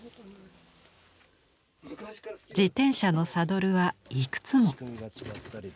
自転車のサドルはいくつも。